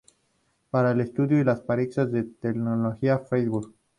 Para el estudio y la praxis de la teología", Freiburg.